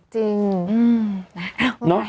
จริง